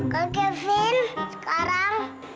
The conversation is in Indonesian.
kak kevin sekarang